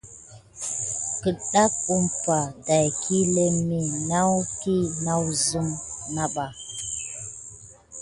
Kedan umpay ɗaki lemi naku nasum naba.